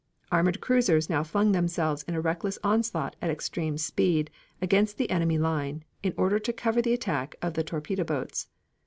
Armored cruisers now flung themselves in a reckless onset at extreme speed against the enemy line in order to cover the attack of the torpedo boats.